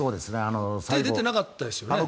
手が出てなかったですよね。